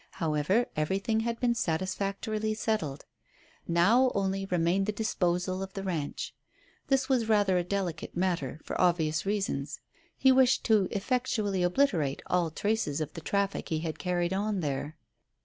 However, everything had been satisfactorily settled. Now only remained the disposal of the ranch. This was rather a delicate matter for obvious reasons. He wished to effectually obliterate all traces of the traffic he had carried on there.